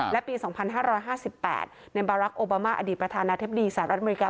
และปี๒๕๕๘ในบารักษ์โอบามาอดีตประธานาธิบดีสหรัฐอเมริกา